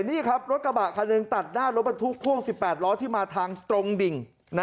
นี่ครับรถกระบะคันหนึ่งตัดหน้ารถบรรทุกพ่วง๑๘ล้อที่มาทางตรงดิ่ง